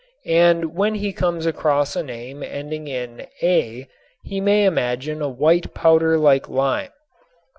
And when he comes across a name ending in _ a_ he may imagine a white powder like lime.